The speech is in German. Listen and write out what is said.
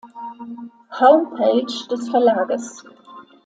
Homepage des Verlages